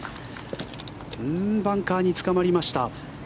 バンカーにつかまりました。